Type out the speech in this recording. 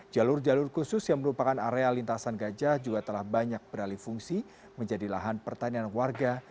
jalur jalur khusus yang merupakan area lintasan gajah juga telah banyak beralih fungsi menjadi lahan pertanian warga